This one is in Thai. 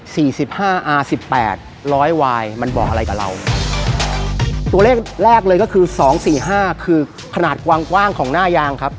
สิบห้าอาสิบแปดร้อยวายมันบอกอะไรกับเราตัวเลขแรกแรกเลยก็คือสองสี่ห้าคือขนาดกวางกว้างของหน้ายางครับ